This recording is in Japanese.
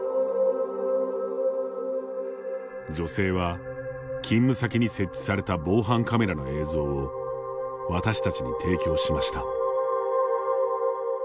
女性は、勤務先に設置された防犯カメラの映像を私たちに提供しました。